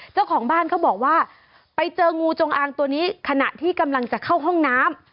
เจ้าของบ้านเขาบอกว่าไปเจองูจงอางตัวนี้ขณะที่กำลังจะเข้าห้องน้ำ